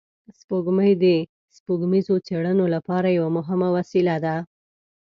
سپوږمۍ د سپوږمیزو څېړنو لپاره یوه مهمه وسیله ده